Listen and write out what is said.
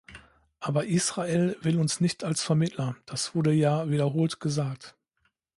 Aber Israel will uns nicht als Vermittler, das wurde ja wiederholt gesagt.